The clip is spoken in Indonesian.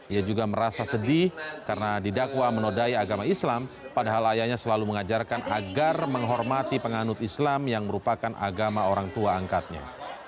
ia juga merasa sedih karena didakwa menodai agama islam padahal ayahnya selalu mengajarkan agar menghormati penganut islam yang merupakan agama orang tua angkatnya